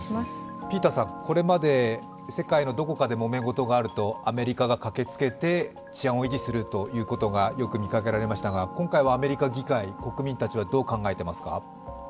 ピーターさん、これまで世界のどこかで、もめごとがあるとアメリカが駆けつけて、治安を維持するということがよく見かけられましたが今回はアメリカ議会、国民たちは、どう考えていますか？